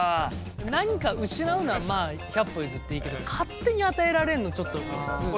何か失うのはまあ百歩譲っていいけど勝手に与えられるのちょっと苦痛だわ。